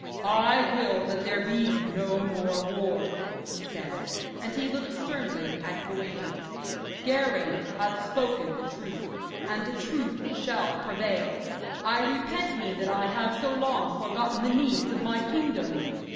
'I will that there be no more war,' he said, and he looked sternly at Gawaine. 'Geraint hath spoken the truth, and the truth shall prevail. I repent me that I have so long forgotten the needs of my kingdom.